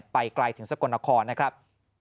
ไปไกลถึงสกลนครนะครับ